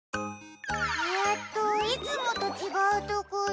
えっといつもとちがうところ。